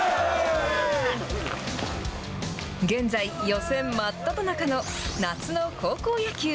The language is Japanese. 現在、予選真っただ中の夏の高校野球。